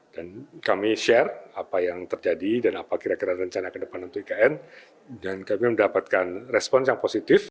dan kami share apa yang terjadi dan apa kira kira rencana ke depan untuk ikn dan kami mendapatkan respons yang positif